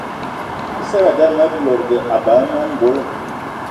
I seradé ame lòdgì eba eme ongolo.